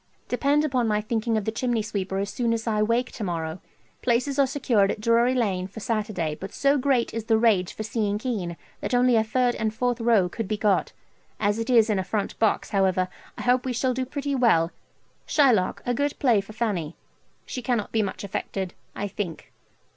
Depend upon my thinking of the chimney sweeper as soon as I wake to morrow. Places are secured at Drury Lane for Saturday, but so great is the rage for seeing Kean that only a third and fourth row could be got; as it is in a front box, however, I hope we shall do pretty well Shylock, a good play for Fanny she cannot be much affected, I think.